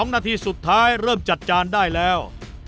นาทีสุดท้ายเริ่มจัดจานได้แล้ว